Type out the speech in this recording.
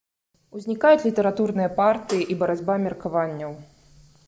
Узнікаюць літаратурныя партыі і барацьба меркаванняў.